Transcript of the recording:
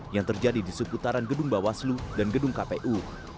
yang terjadi di seputaran gedung bawaslu dan gedung kpu